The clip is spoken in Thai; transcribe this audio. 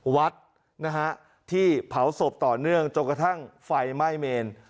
วัดนะฮะที่เผาศพต่อเนื่องจนกระทั่งไฟไหม้เมน